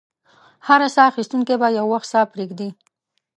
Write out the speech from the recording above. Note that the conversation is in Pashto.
هر ساه اخیستونکی به یو وخت ساه پرېږدي.